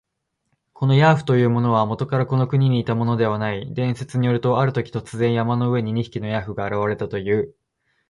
このヤーフというものは、もとからこの国にいたものではない。伝説によると、あるとき、突然、山の上に二匹のヤーフが現れたという。